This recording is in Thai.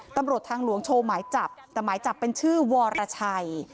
ตำรวจทางหลวงโชว์หมายจับแต่หมายจับเป็นชื่อวรชัย